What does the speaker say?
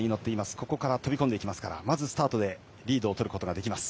ここから飛び込んでいきますからまずスタートでリードをとることができます。